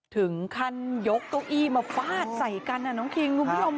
ถึงคันยกเก้าอี้มาฟาดใส่กันนั้นน้องคิงครับ